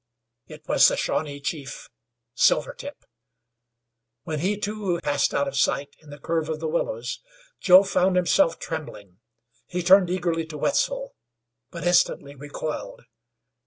It was the Shawnee chief, Silvertip. When he, too, passed out of sight in the curve of willows, Joe found himself trembling. He turned eagerly to Wetzel; but instantly recoiled.